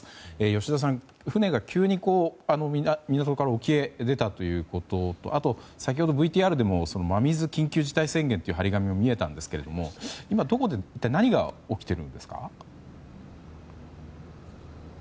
吉田さん、船が急に港から沖へ出たということとあとは先ほどＶＴＲでも真水緊急事態宣言という貼り紙も見えたんですが今、どこで一体何が起きているんですか。